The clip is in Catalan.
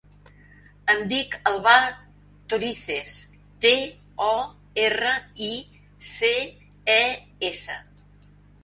Em dic Albà Torices: te, o, erra, i, ce, e, essa.